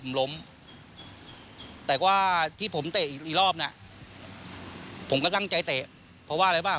ผมล้มแต่ว่าที่ผมเตะอีกรอบน่ะผมก็ตั้งใจเตะเพราะว่าอะไรบ้าง